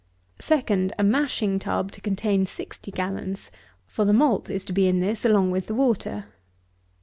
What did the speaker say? SECOND, a mashing tub to contain sixty gallons; for the malt is to be in this along with the water.